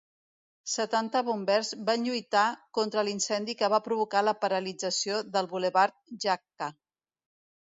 Setanta bombers van lluitar contra l'incendi que va provocar la paralització del bulevard Jacka.